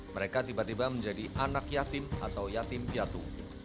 mereka tiba tiba menjadi anak yatim atau yatim piatu